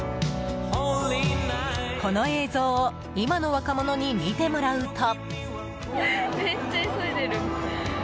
この映像を今の若者に見てもらうと。